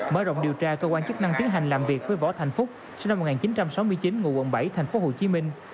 mở rộng điều tra cơ quan chức năng tiến hành làm việc với võ thành phúc sinh năm một nghìn chín trăm sáu mươi chín ngụ quận bảy thành phố hồ chí minh